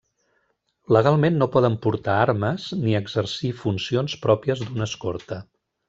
Legalment no poden portar armes ni exercir funcions pròpies d'un escorta.